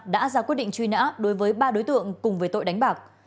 đã ra quyết định truy nã đối với ba đối tượng cùng về tội đánh bạc